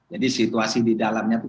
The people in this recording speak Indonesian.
jadi situasi di dalamnya itu